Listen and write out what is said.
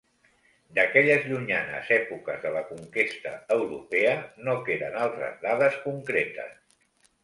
D'aquelles llunyanes èpoques de la conquesta europea no queden altres dades concretes.